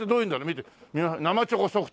見て生チョコソフトほら！